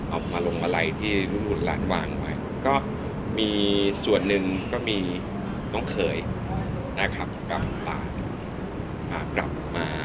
เอามาลงมาลัยที่รุ่นร้านวางไว้ก็มีส่วนหนึ่งก็มีน้องเขยนะครับกลับมา